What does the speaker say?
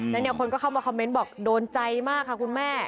แล้วเนี่ยคนก็เข้ามาคอมเมนต์บอกโดนใจมากค่ะคุณแม่